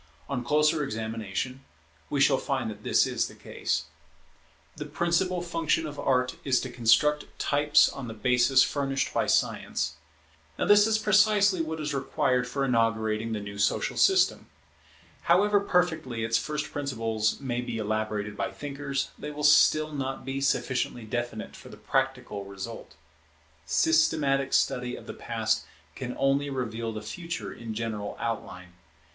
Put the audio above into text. On closer examination we shall find that this is the case. [Construction of normal types on the basis furnished by philosophy] The principal function of Art is to construct types on the basis furnished by Science. Now this is precisely what is required for inaugurating the new social system. However perfectly its first principles may be elaborated by thinkers, they will still be not sufficiently definite for the practical result. Systematic study of the Past can only reveal the Future in general outline.